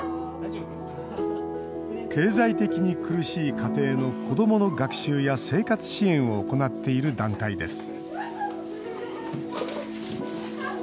経済的に苦しい家庭の子どもの学習や生活支援を行っている団体です